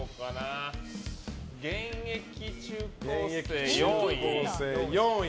現役中高生４位。